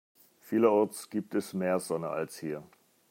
Vielerorts gibt es mehr Sonne als hier.